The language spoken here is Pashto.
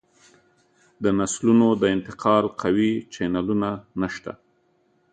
د نسلونو د انتقال قوي چینلونه نشته